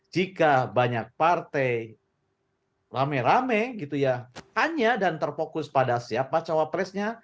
jika banyak partai rame rame gitu ya hanya dan terfokus pada siapa cawapresnya